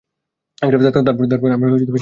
তারপর আমরা সিদ্ধান্ত নিতে পারবো।